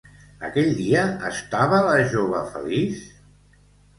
Aquell dia estava la jove feliç?